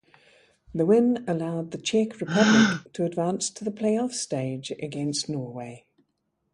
The win allowed the Czech Republic to advance to the playoff stage against Norway.